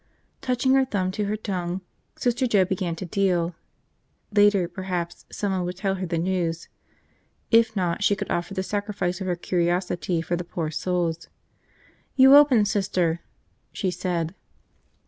Touching her thumb to her tongue, Sister Joe began to deal. Later, perhaps, someone would tell her the news. If not, she could offer the sacrifice of her curiosity for the poor souls. "You open, Sister," she said.